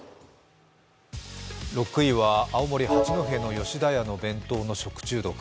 ６位は青森・八戸の吉田屋の弁当の食中毒。